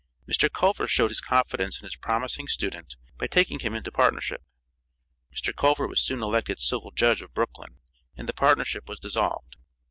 Mr. Culver showed his confidence in his promising student by taking him into partnership. Mr. Culver was soon elected civil judge of Brooklyn, and the partnership was dissolved. Mr.